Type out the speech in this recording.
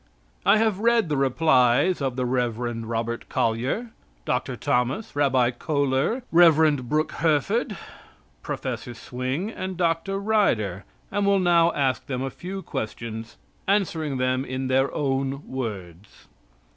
I have read the replies of the Rev. Robert Collyer, Dr. Thomas, Rabbi Kohler, Rev. Brooke Herford, Prof. Swing, and Dr. Ryder, and will now ask them a few questions, answering them in their own words.